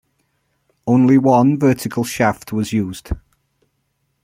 Only one vertical shaft was used.